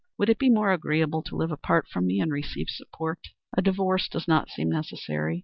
Would it be more agreeable to live apart from me and receive support? A divorce does not seem necessary.